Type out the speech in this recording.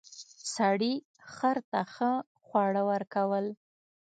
سړي خر ته ښه خواړه ورکول.